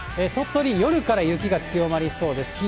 鳥取、夜から雪が強まりそうです。